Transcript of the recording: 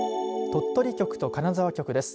鳥取局と金沢局です。